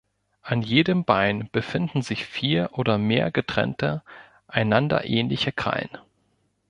An jedem Bein befinden sich vier oder mehr getrennte, einander ähnliche Krallen.